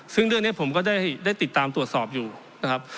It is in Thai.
ซึ่งเรื่องนี้ผมก็ได้ติดตามตรวจสอบอยู่นะครับ